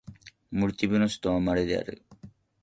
モルディブの首都はマレである